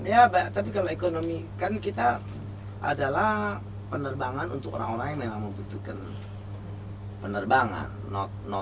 ya tapi kalau ekonomi kan kita adalah penerbangan untuk orang orang yang memang membutuhkan penerbangan